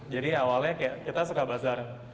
jadi awalnya kita suka bazar